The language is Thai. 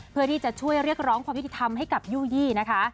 เพื่อที่จะช่วยเรียกร้องความยุติธรรมให้กับยู่ยี่นะคะ